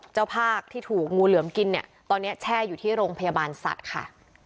เจ้าภาพที่ถูกงูเหลือมกินเนี่ยตอนนี้แช่อยู่ที่โรงพยาบาลสัตว์ค่ะ